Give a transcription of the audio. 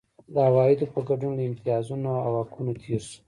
د عوایدو په ګډون له امتیازونو او حقونو تېر شو.